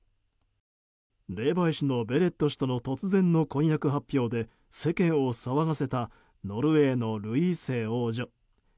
霊媒師のベレット氏との突然の婚約発表で世間を騒がせたノルウェーのルイーセ王女。